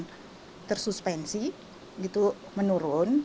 padatan tersuspensi itu menurun